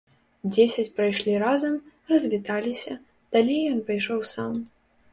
Дзесяць прайшлі разам, развіталіся, далей ён пайшоў сам.